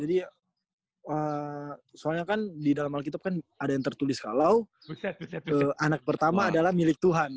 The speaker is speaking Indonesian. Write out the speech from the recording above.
jadi soalnya kan di dalam alkitab kan ada yang tertulis kalau anak pertama adalah milik tuhan